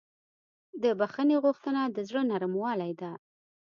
د بښنې غوښتنه د زړه نرموالی ده.